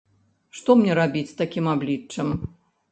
Што мне рабіць з такім абліччам?